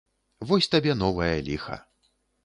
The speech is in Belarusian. Вось табе новае ліха.